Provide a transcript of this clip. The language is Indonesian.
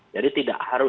jadi tidak harus